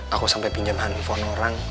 aku sampe pinjem handphone orang